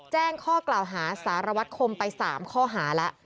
แจ้งข้อกล่าวหาสารวัตรคมไป๓ข้อหาแล้ว